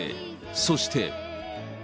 そして。